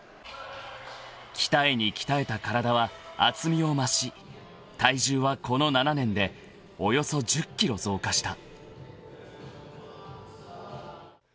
［鍛えに鍛えた体は厚みを増し体重はこの７年でおよそ１０ｋｇ増加した］